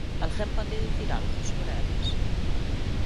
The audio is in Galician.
Alguén pode dicir algo sobre elas?